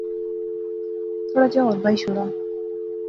تھوڑا جیہا ہور بائی شوڑا